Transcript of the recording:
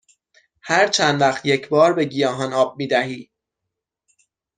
هر چند وقت یک بار به گیاهان آب می دهی؟